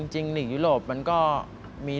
หลีกยุโรปมันก็มี